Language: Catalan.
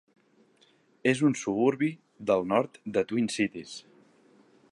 És un suburbi del nord de Twin Cities.